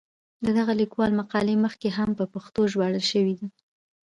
د دغه لیکوال مقالې مخکې هم په پښتو ژباړل شوې دي.